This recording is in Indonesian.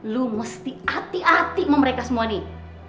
lu mesti hati hati sama mereka semua nih